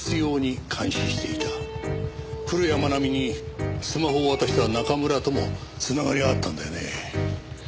古谷愛美にスマホを渡した中村とも繋がりがあったんだよね。